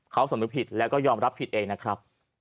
เขาสำนึกผิดแล้วก็ยอมรับผิดเองนะครับ